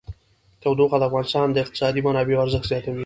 تودوخه د افغانستان د اقتصادي منابعو ارزښت زیاتوي.